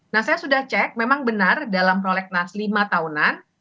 nah saya sudah cek memang benar dalam prolegnas lima tahunan